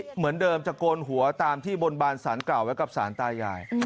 เหมือนเดิมจะโกนหัวตามที่บนบานสารกล่าวไว้กับสารตายาย